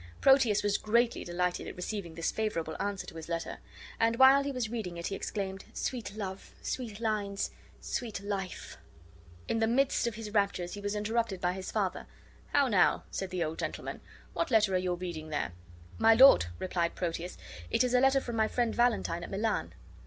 Proteus was greatly delighted at receiving this favorable answer to his letter. And while he was reading it he exclaimed, "Sweet love! sweet lines! sweet life!" In the midst of his raptures he was interrupted by his father. "How now?" said the old gentleman. "What letter are you reading there?" "My lord," replied Proteus, "it is a letter from my friend Valentine, at Milan."